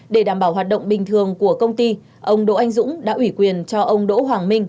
để đảm bảo hoạt động bình thường của công ty ông đỗ anh dũng đã ủy quyền cho ông đỗ hoàng minh